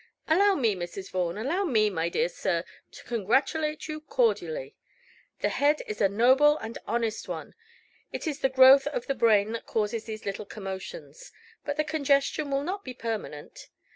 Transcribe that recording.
"Allow me, Mrs. Vaughan allow me, my dear sir to congratulate you cordially. The head is a noble and honest one. It is the growth of the brain that causes these little commotions; but the congestion will not be permanent.